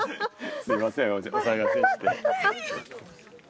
すみません、お騒がせして。